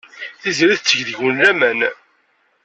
Tiziri tetteg deg-wen laman.